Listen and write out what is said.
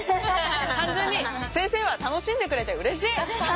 単純に先生は楽しんでくれてうれしい。